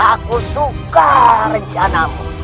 aku suka rencanamu